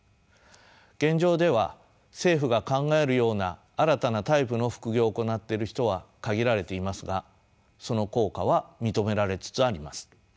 現状では政府が考えるような新たなタイプの副業を行っている人は限られていますがその効果は認められつつあります。